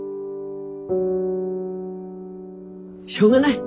しょうがない。